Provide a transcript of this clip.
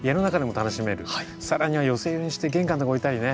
更には寄せ植えにして玄関のとこに置いたりね。